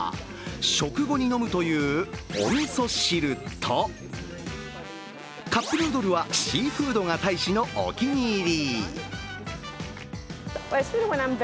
食後に飲むというおみそ汁とカップヌードルはシーフードが大使のお気に入り。